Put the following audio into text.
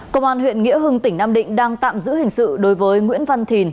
công an huyện nghĩa hưng tỉnh nam định đang tạm giữ hình sự đối với nguyễn văn thìn